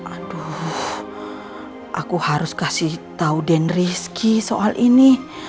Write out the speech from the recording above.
aduh aku harus kasih tau den rizky soal ini